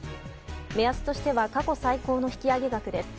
目安としては過去最高の引き上げ額です。